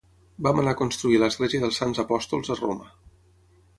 Va manar construir l'església dels Sants Apòstols a Roma.